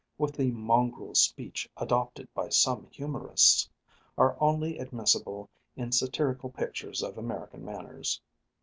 with the mongrel speech adopted by some humorists, are only admissible in satirical pictures of American manners" (p.